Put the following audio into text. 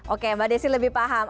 oke mbak desi lebih paham